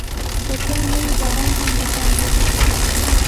که چای نه وي، باران هم بېخونده ښکاري.